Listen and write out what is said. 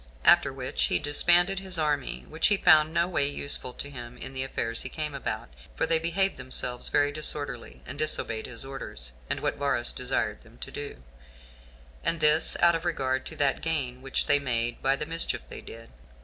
After which he disbanded his army, which he found no way useful to him in the affairs he came about; for they behaved themselves very disorderly, and disobeyed his orders, and what Varus desired them to do, and this out of regard to that gain which they made by the mischief they did.